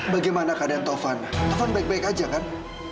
bagaimana keadaan taufan taufan baik baik aja kan